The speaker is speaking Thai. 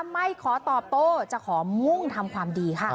ไม่ขอตอบโต้จะขอมุ่งทำความดีค่ะ